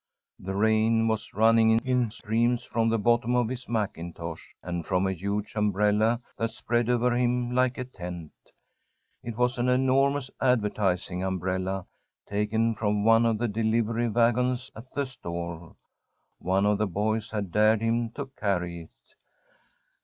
The rain was running in streams from the bottom of his mackintosh, and from a huge umbrella that spread over him like a tent. It was an enormous advertising umbrella, taken from one of the delivery wagons at the store. One of the boys had dared him to carry it.